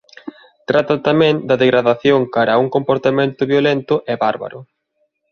Trata tamén da degradación cara a un comportamento violento e bárbaro.